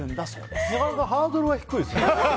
なかなかハードルが低いですね。